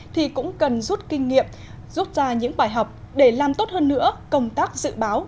thì cũng cần rút kinh nghiệm rút ra những bài học để làm tốt hơn nữa công tác dự báo